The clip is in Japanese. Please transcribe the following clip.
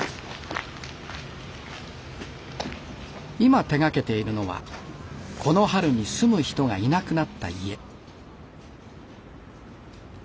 今手がけているのはこの春に住む人がいなくなった家。